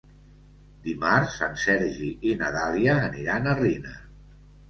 Dimarts en Sergi i na Dàlia aniran a Riner.